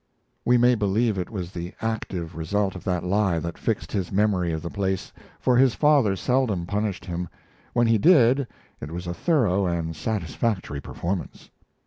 We may believe it was the active result of that lie that fixed his memory of the place, for his father seldom punished him. When he did, it was a thorough and satisfactory performance.